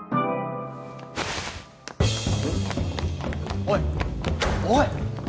おいおい！